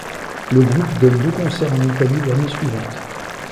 Le groupe donne deux concerts en Italie l'année suivante.